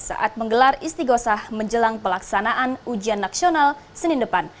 saat menggelar istiqosah menjelang pelaksanaan ujian nasional senin depan